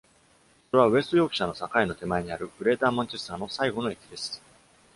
それは、ウェストヨークシャーの境の手前にあるグレーターマンチェスターの最後の駅です。